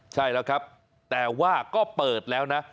ใช่แล้วครับแต่ว่าก็เปิดแล้วนะ